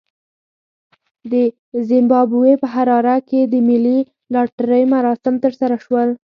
د زیمبابوې په حراره کې د ملي لاټرۍ مراسم ترسره شول.